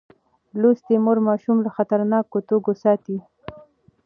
لوستې مور ماشوم له خطرناکو توکو ساتي.